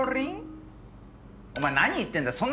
お前何言ってんだ。